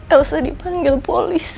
elsa dipanggil polisi